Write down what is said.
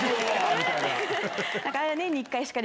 みたいな。